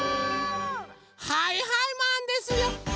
はいはいマンですよ。